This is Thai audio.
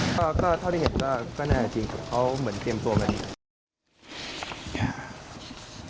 ก็เท่าที่เห็นก็แน่จริงเขาเหมือนเตรียมตัวมาดี